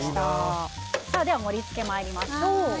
では、盛り付けに参りましょう。